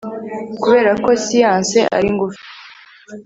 Kuberako siyanse ari ngufi